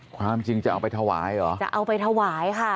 ความจริงจะเอาไปถวายเหรอจะเอาไปถวายค่ะ